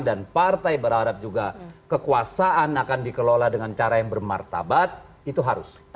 dan partai berharap juga kekuasaan akan dikelola dengan cara yang bermartabat itu harus